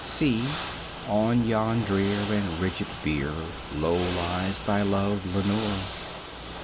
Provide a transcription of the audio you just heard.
See, on yon drear and rigid bier low lies thy love, Lenore!